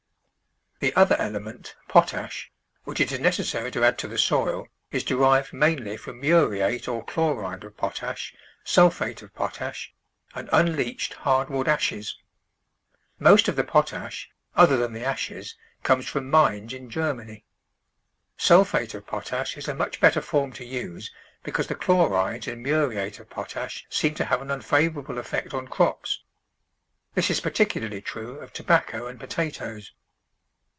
The other element, potash, which it is necessary to add to the soil is derived mainly from muriate or chloride of potash, sulphate of potash, and unleached hardwood ashes. Most of the potash, other than the ashes, comes from mines in Ger many. Sulphate of potash is a much better form to use because the chlorides in muriate of potash seem to have an unfavourable effect on crops. This is particularly true of tobacco and potatoes.